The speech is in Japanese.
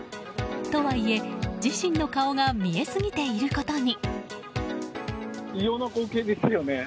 とはいえ、自身の顔が見えすぎていることに。